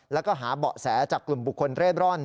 แล้วก็หาเบาะแสจากกลุ่มบุคคลเร่ร่อน